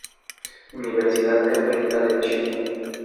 Universidad Católica de Chile.